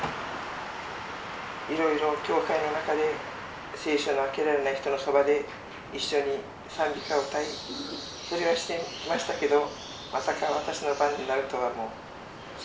いろいろ教会の中で聖書の開けられない人のそばで一緒に賛美歌を歌いそれはしてきましたけどまさか私の番になるとはもう想像もしていませんでした。